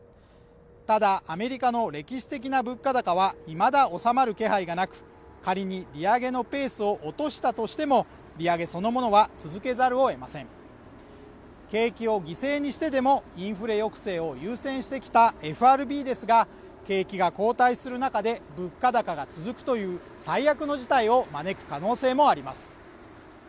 ただアメリカの歴史的な物価高はいまだ収まる気配がなく仮に利上げのペースを落としたとしても利上げそのものは続けざるを得ません景気を犠牲にしてでもインフレ抑制を優先してきたＦＲＢですが景気が後退する中で物価高が続くという最悪の事態を招く可能性もあります